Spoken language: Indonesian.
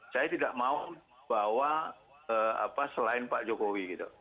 saya tidak mau bawa selain pak jokowi gitu